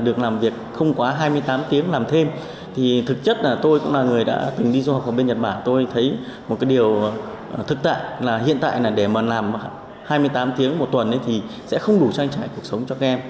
được làm việc không quá hai mươi tám tiếng làm thêm thì thực chất là tôi cũng là người đã từng đi du học ở bên nhật bản tôi thấy một cái điều thực tại là hiện tại là để mà làm hai mươi tám tiếng một tuần thì sẽ không đủ trang trải cuộc sống cho các em